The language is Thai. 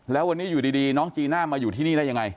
แล้ววันนี้อยู่ดีน้องจีน่ามาอยู่ที่นี่ได้ยังไง